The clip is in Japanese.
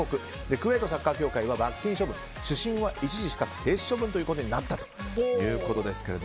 クウェートサッカー協会は罰金処分主審は一時資格停止処分となったということです。